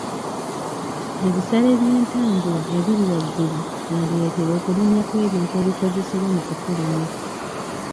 Ebisale by'entambula ebiri waggulu byandireetera okulinnya kw'ebintu ebikozesebwa mu kufulumya.